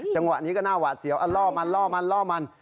จังหวะนี้ก็หน้าหวาดเสียวล่อมันล่อมันล่อมัน